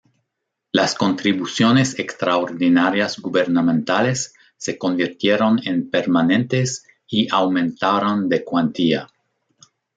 Las contribuciones extraordinarias gubernamentales se convirtieron en permanentes y aumentaron de cuantía.